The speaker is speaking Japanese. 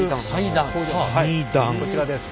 こちらです。